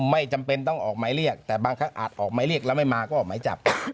ไม่จำเป็นต้องออกหมายเรียกแต่บางครั้งอาจออกหมายเรียกแล้วไม่มาก็ออกหมายจับ